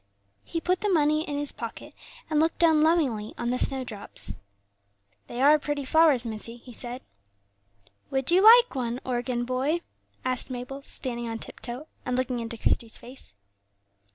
He put the money in his pocket, and looked down lovingly on the snowdrops. "They are pretty flowers, missie," he said. "Would you like one, organ boy?" asked Mabel, standing on tip toe, and looking into Christie's face.